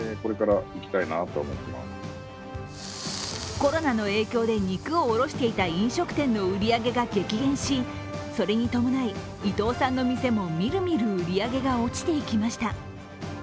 コロナの影響で肉を卸していた飲食店の売り上げが激減し、それに伴い伊藤さんの店もみるみる売り上げが落ちていきました。